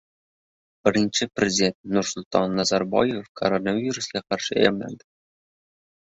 Birinchi prezident Nursulton Nazarboyev koronavirusga qarshi emlandi